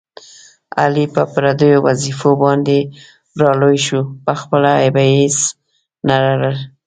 علي په پردیو وظېفو باندې را لوی شو، په خپله یې هېڅ نه لرل.